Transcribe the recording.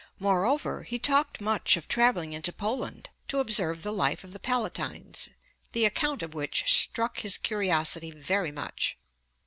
Moreover 'he talked much of travelling into Poland to observe the life of the Palatines, the account of which struck his curiosity very much.'